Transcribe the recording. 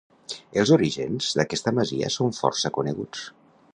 Els orígens d'aquesta masia són força coneguts.